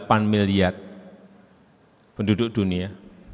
delapan miliar penduduk dunia